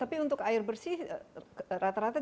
tapi untuk air bersih rata rata